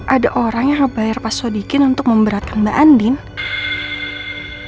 ada orang yang bayar paswa dikit untuk memberatan acute